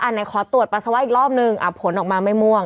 ไหนขอตรวจปัสสาวะอีกรอบนึงผลออกมาไม่ม่วง